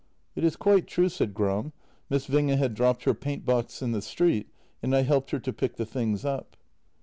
" It is quite true," said Gram. " Miss Winge had dropped her paintbox in the street, and I helped her to pick the things up."